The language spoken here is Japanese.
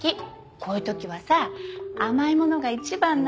こういう時はさ甘いものが一番なの。